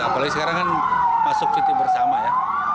apalagi sekarang kan masuk cuti bersama ya